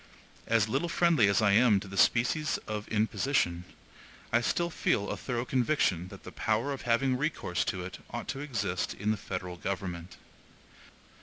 As little friendly as I am to the species of imposition, I still feel a thorough conviction that the power of having recourse to it ought to exist in the federal government.